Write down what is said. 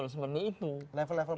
level level pendengar kita pelajar